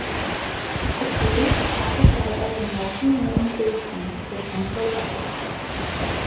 The crater is classified as a multi-ringed basin with a central uplift.